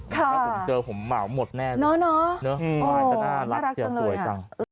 ถ้าผมเจอผมเหมาหมดแน่น้อน่ารักเจียวสวยจัง